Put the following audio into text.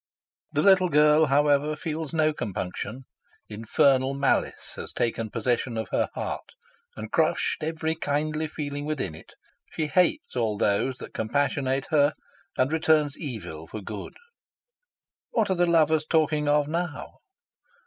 The little girl, however, feels no compunction. Infernal malice has taken possession of her heart, and crushed every kindly feeling within it. She hates all those that compassionate her, and returns evil for good. What are the lovers talking of now?